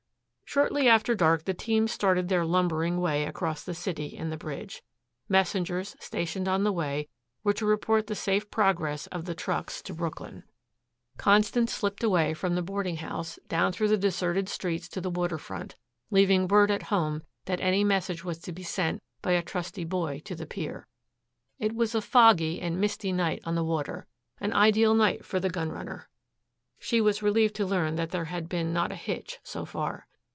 Shortly after dark the teams started their lumbering way across the city and the bridge. Messengers, stationed on the way, were to report the safe progress of the trucks to Brooklyn. Constance slipped away from the boardinghouse, down through the deserted streets to the waterfront, leaving word at home that any message was to be sent by a trusty boy to the pier. It was a foggy and misty night on the water, an ideal night for the gun runner. She was relieved to learn that there had been not a hitch so far.